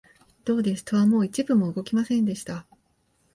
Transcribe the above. どうです、戸はもう一分も動きませんでした